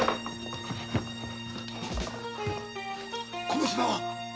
この品は！？